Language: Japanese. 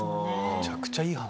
めちゃくちゃいい話。